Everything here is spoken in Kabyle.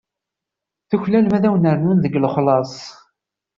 Tuklalem ad wen-rnun deg lexlaṣ.